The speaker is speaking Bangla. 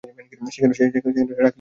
সেখানা রাখিলেই বা ক্ষতি কী ছিল।